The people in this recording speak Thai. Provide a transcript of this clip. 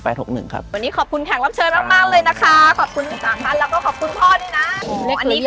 วันนี้ขอบคุณแข่งรับเชิญมากเลยนะคะขอบคุณสาขอนแล้วก็ขอบคุณพ่อดีนะ